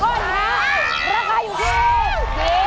ราคาอยู่ที่